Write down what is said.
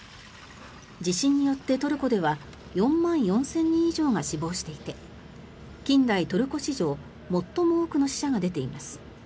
地震によってトルコでは４万４４００人以上が死亡していて近代トルコ史上最も多くの死者が出ています。